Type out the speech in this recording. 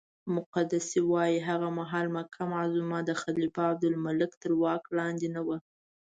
مقدسي وایي هغه مهال مکه معظمه د خلیفه عبدالملک تر واک لاندې نه وه.